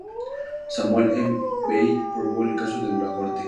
Samuel M. Bay probó el caso en la corte.